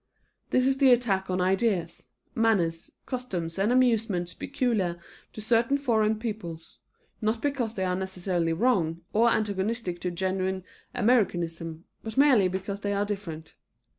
This is the attack on ideas, manners, customs and amusements peculiar to certain foreign peoples, not because they are necessarily wrong, or antagonistic to genuine Americanism, but merely because they are different.